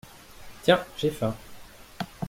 Tiens, j’ai faim.